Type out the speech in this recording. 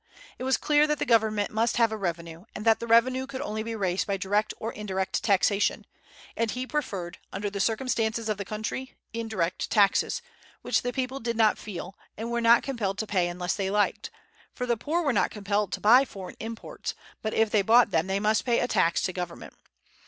It was clear that the Government must have a revenue, and that revenue could only be raised by direct or indirect taxation; and he preferred, under the circumstances of the country, indirect taxes, which the people did not feel, and were not compelled to pay unless they liked; for the poor were not compelled to buy foreign imports, but if they bought them they must pay a tax to government.